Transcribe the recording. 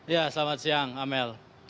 ya selamat siang amel